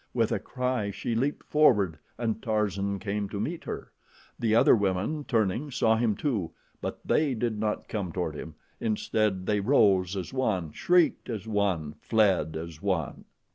With a cry, she leaped forward and Tarzan came to meet her. The other women, turning, saw him, too; but they did not come toward him. Instead they rose as one, shrieked as one, fled as one.